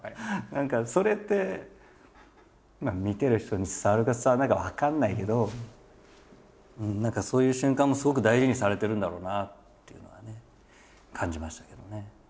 何かそれって見てる人に伝わるか伝わらないか分かんないけど何かそういう瞬間もすごく大事にされてるんだろうなというのはね感じましたけどね。